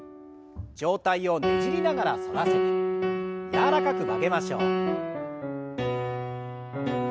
上体をねじりながら反らせて柔らかく曲げましょう。